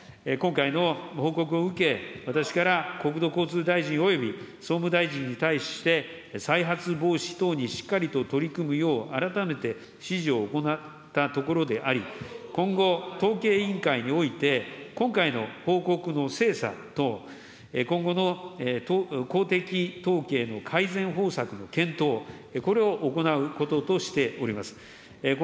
今回の報告を受け、私から国土交通大臣および総務大臣に対して、再発防止等にしっかりと取り組むよう改めて指示を行ったところであり、今後、統計委員会において、今回の報告の精査と今後の公的統計の改善方策の検討、これを行うこととしております。